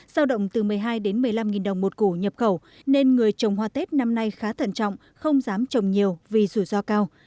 giao động từ một mươi hai đến một mươi năm đồng một củ nhập khẩu nên người trồng hoa tết năm nay khá thận trọng không dám trồng nhiều vì rủi ro cao